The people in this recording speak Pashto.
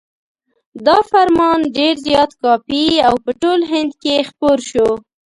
دا فرمان ډېر زیات کاپي او په ټول هند کې خپور شو.